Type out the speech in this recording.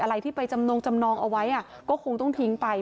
อะไรที่ไปจำนงจำนองเอาไว้ก็คงต้องทิ้งไป